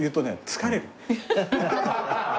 疲れる。